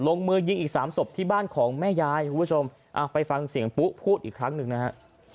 ลงมือยิงอีกสามศพที่บ้านของแม่ยายคุณผู้ชมไปฟังเสียงปุ๊พูดอีกครั้งหนึ่งนะฮะ